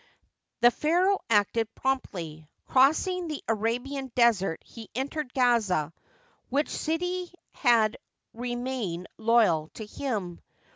The pharaoh acted promptly. Crossing the Arabian Desert he entered Gaza, which city had re mained loyal to him.